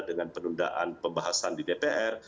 dengan penundaan pembahasan di dpr